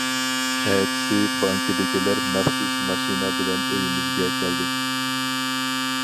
ئەتىسى بانكىدىكىلەر مەخسۇس ماشىنا بىلەن ئۆيىمىزگە كەلدى.